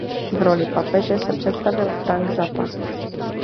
V roli papeže se představil Frank Zappa.